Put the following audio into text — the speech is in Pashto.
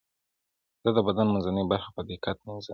زه د بدن منځنۍ برخه په دقت مینځم.